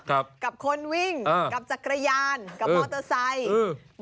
กับคนวิ่งอ่ากับจักรยานกับมอเตอร์ไซค์อืม